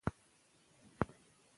ځینې درمل د اوږد مهال لپاره زیان رسوي.